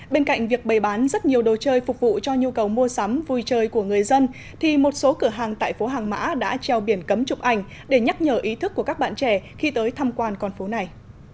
bên cạnh việc bày bán rất nhiều đồ chơi phục vụ cho nhu cầu mua sắm vui chơi của người dân thì một số cửa hàng tại phố hàng mã đã treo biển cấm chụp ảnh để nhắc nhở ý thức của các bạn trẻ khi tới thăm quan con phố này